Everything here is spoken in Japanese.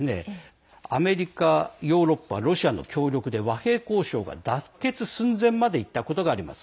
アメリカ、ヨーロッパ、ロシアの協力で和平交渉が妥結寸前までいったことがあります。